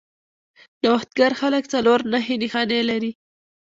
نوښتګر خلک څلور نښې نښانې لري.